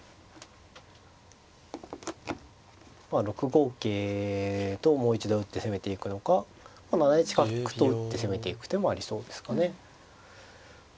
６五桂ともう一度打って攻めていくのか７一角と打って攻めていく手もありそうですかね。